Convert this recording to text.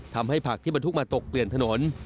ผักที่บรรทุกมาตกเปลี่ยนถนน